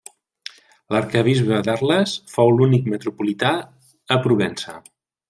L'arquebisbe d'Arles fou l'únic metropolità a Provença.